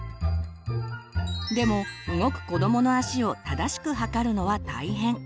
でも動く子どもの足を正しく測るのは大変。